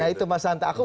nah itu mas santa